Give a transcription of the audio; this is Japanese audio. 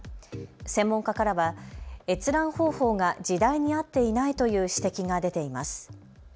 専門家からは閲覧方法が時代に合っていないという指摘が出ています。